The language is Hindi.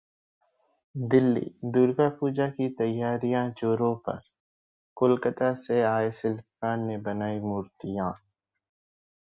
दिल्ली: दुर्गा पूजा की तैयारियां जोरों पर, कोलकाता से आए शिल्पकार ने बनाई मूर्तियां